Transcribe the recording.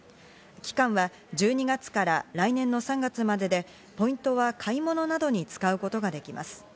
期間は１２月から来年の３月までで、ポイントは買い物などに使うことができます。